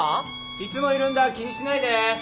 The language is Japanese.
・いつもいるんだ気にしないで。